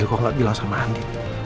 aku gak adil kalau gak bilang sama andin